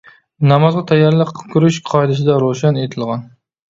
نامازغا تەييارلىق كۆرۈش قائىدىسىدە روشەن ئېيتىلغان.